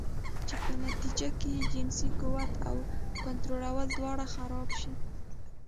چې پۀ نتيجه کښې ئې جنسي قوت او کنټرول دواړه خراب شي